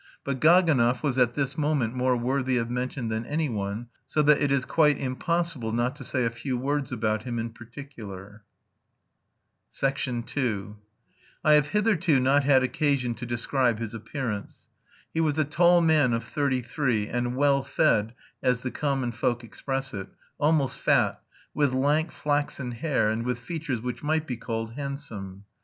But Gaganov was at this moment more worthy of mention than anyone, so that it is quite impossible not to say a few words about him in particular. II I have hitherto not had occasion to describe his appearance. He was a tall man of thirty three, and well fed, as the common folk express it, almost fat, with lank flaxen hair, and with features which might be called handsome.